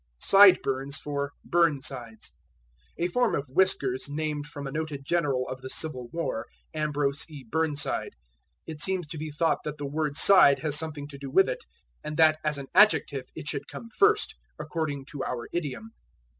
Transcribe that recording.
Sideburns for Burnsides. A form of whiskers named from a noted general of the civil war, Ambrose E. Burnside. It seems to be thought that the word side has something to do with it, and that as an adjective it should come first, according to our idiom.